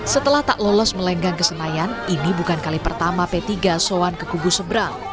setelah tak lolos melenggang ke senayan ini bukan kali pertama p tiga soan ke kubu seberang